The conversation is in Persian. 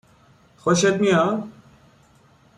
خوشت میاد؟